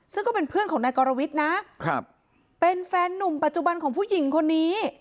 ซึ่งก็เป็นเพื่อนของนายกรวิทย์นะครับเป็นแฟนหนุ่มปัจจุบันของผู้หญิงคนนี้